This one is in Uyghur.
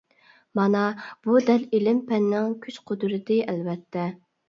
مانا بۇ دەل ئىلىم-پەننىڭ كۈچ-قۇدرىتى ئەلۋەتتە.